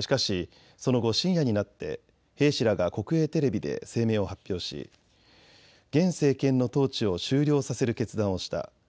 しかしその後、深夜になって兵士らが国営テレビで声明を発表し現政権の統治を終了させる決断をした。